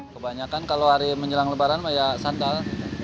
kebanyakan kalau hari menjelang lebaran banyak sandal